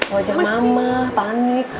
wajah mama panik